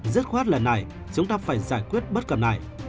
rất khoát lần này chúng ta phải giải quyết bất cập này